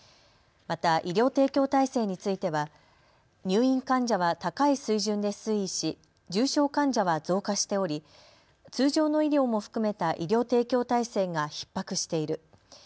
また医療提供体制については入院患者は高い水準で推移し重症患者は増加しており通常の医療も含めた医療提供体制がひっ迫している。